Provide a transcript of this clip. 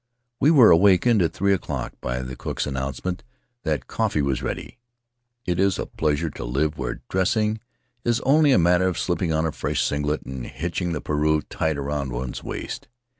We were awakened at three o'clock by the cook's announcement that coffee was ready; it is a pleasure to live where dressing is only a matter of slipping on a fresh singlet and hitching the pareu tight about one's waist.